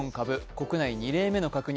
国内２例目の確認。